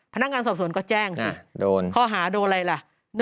พนักงานสอบสวนก็แจ้งสิข้อหาโดนอะไรล่ะ